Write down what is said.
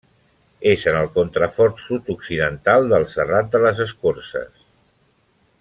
És en el contrafort sud-occidental del Serrat de les Escorces.